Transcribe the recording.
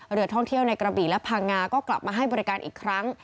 เรือท่องเที่ยวในกระบี่และพังงาก็กลับมาให้บริการอีกครั้ง